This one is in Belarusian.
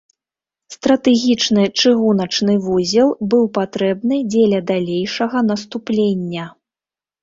Стратэгічны чыгуначны вузел быў патрэбны дзеля далейшага наступлення.